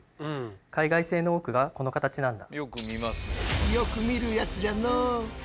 海外製の多くがこの形なんだ。